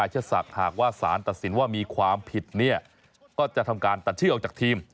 หากว่าสารตัดสินว่ามีความผิดก็จะทำการตัดชื่อออกจากทีม